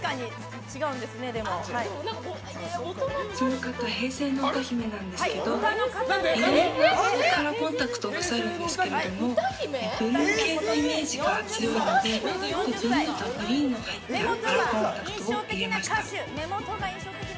その方は平成の歌姫なんですけどいろいろなカラーコンタクトをなさるんですけどブルー系のイメージが強いのでブルーとグリーンが入ったカラーコンタクトを入れました。